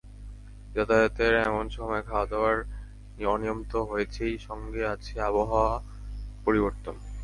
যাতায়াতের এমন সময়ে খাওয়াদাওয়ার অনিয়ম তো হয়েছেই, সঙ্গে আছে আবহাওয়ার পরিবর্তন।